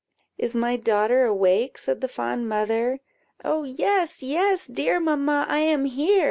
"Is my daughter awake?" said the fond mother. "Oh, yes, yes, dear mamma, I am here!"